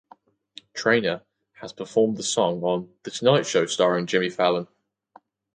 Trainor has performed the song on "The Tonight Show Starring Jimmy Fallon".